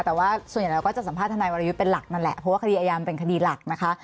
แต่ว่าส่วนใหญ่เราก็จะสัมภาษณาวรยุทธ์เป็นหลักนั่นแหละเพราะว่าคดีอายามันเป็นคดีหลักนะคะ